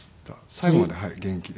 最後まで元気で。